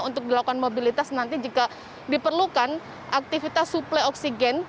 untuk dilakukan mobilitas nanti jika diperlukan aktivitas suplai oksigen